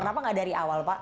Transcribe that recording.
kenapa nggak dari awal pak